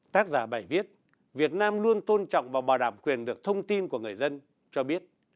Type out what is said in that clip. tác giả bài viết việt nam luôn tôn trọng và bảo đảm quyền được thông tin của người dân cho biết